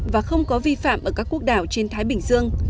và không có vi phạm ở các quốc đảo trên thái bình dương